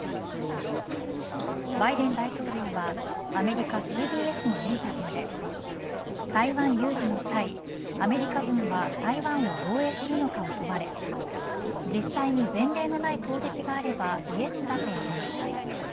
バイデン大統領はアメリカＣＢＳのインタビューで台湾有事の際アメリカ軍は台湾を防衛するのかを問われ実際に前例のない攻撃があればイエスだと述べました。